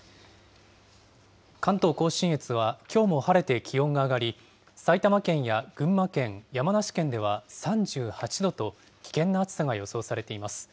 関東甲信越は、きょうも晴れて気温が上がり、埼玉県や群馬県、山梨県では３８度と、危険な暑さが予想されています。